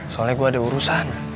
soalnya gue ada urusan